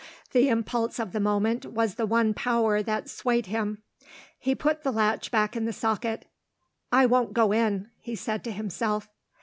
The impulse of the moment was the one power that swayed him. He put the latch back in the socket. "I won't go in," he said to himself.